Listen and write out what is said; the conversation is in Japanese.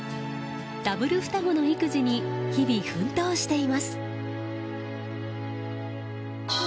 ダブル双子の育児に日々奮闘しています。